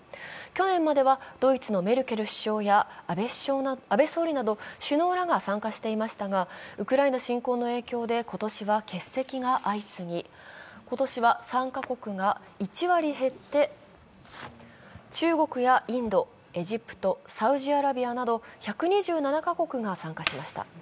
去年まではドイツのメルケル首相や安倍総理など、首脳らが参加していましたが、ウクライナ侵攻の影響で今年は欠席が相次ぎ、今年は参加国が１割減って、中国やインド、エジプトサウジアラビアなど１２７か国が参加しました。